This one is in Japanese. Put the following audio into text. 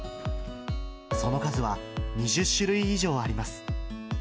その数は２０種類以上あります。